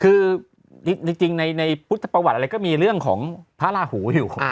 คือจริงในพุทธประวัติอะไรก็มีเรื่องของพระราหูอยู่